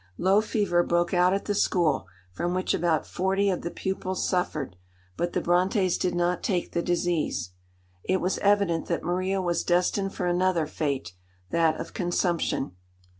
Low fever broke out at the school, from which about forty of the pupils suffered, but the Brontës did not take the disease. It was evident that Maria was destined for another fate, that of consumption.